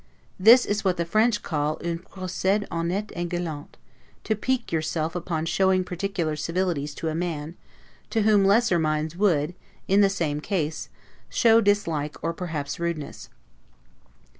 This is what the French call un 'procede honnete et galant', to PIQUE yourself upon showing particular civilities to a man, to whom lesser minds would, in the same case, show dislike, or perhaps rudeness.